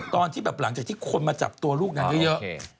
ตอนที่แบบหลังจากที่คนมาจับตัวลูกนางเยอะ